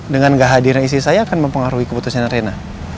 dengan gak hadir istri saya akan mempengaruhi keputusan rena